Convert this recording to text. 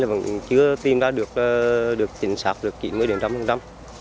tượng này vẫn chưa tìm ra được chính xác được kỹ thuật con cắt mũi bệnh prze